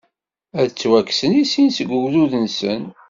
Ad ttwakksen i sin seg ugdud-nsen.